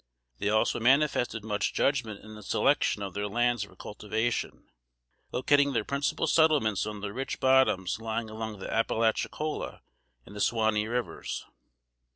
They also manifested much judgment in the selection of their lands for cultivation locating their principal settlements on the rich bottoms lying along the Appalachicola and the Suwanee Rivers.